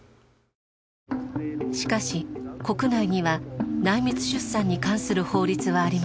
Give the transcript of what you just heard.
しかし国内には内密出産に関する法律はありません。